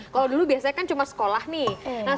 kalau dulu biasanya kan cuma sekolah nih